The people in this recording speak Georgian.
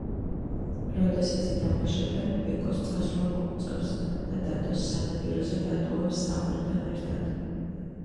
როდესაც ითამაშებენ, ბეკოს წასვლა მოუწევს და დათოს სანაპიროზე დატოვებს საყვირთან ერთად.